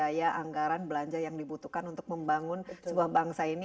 dan juga untuk memiliki anggaran belanja yang dibutuhkan untuk membangun sebuah bangsa ini